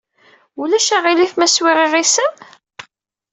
Ulac aɣilif ma swiɣ iɣisem?